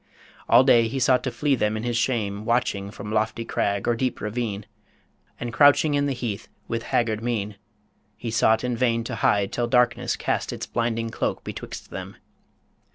All day he sought to flee them in his shame, Watching from lofty crag or deep ravine, And crouching in the heath, with haggard mien He sought in vain to hide till darkness cast Its blinding cloak betwixt them.